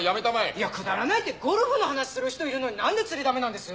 いやくだらないってゴルフの話する人いるのになんで釣りダメなんです？